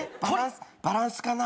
バランスかな？